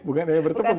bukan ayam bertepung